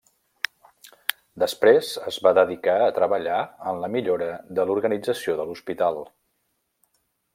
Després es va dedicar a treballar en la millora de l'organització de l'hospital.